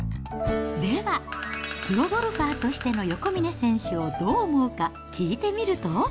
では、プロゴルファーとしての横峯選手をどう思うか、聞いてみると。